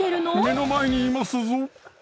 目の前にいますぞ！